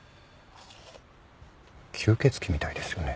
吸血鬼みたいですよね。